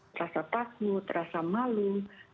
terasa takut terasa malu